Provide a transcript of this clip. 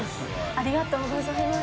ありがとうございます。